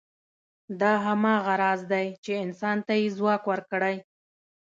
دا هماغه راز دی، چې انسان ته یې ځواک ورکړی.